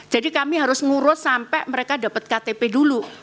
jadi kami harus ngurus sampai mereka dapat ktp dulu